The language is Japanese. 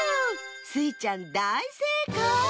スイちゃんだいせいかい！